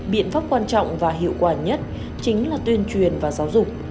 biện pháp quan trọng và hiệu quả nhất chính là tuyên truyền và giáo dục